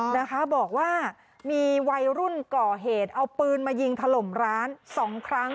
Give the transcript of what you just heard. นะคะบอกว่ามีวัยรุ่นก่อเหตุเอาปืนมายิงถล่มร้านสองครั้ง